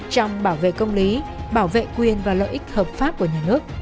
trong bảo vệ công lý bảo vệ quyền và lợi ích hợp pháp của nhà nước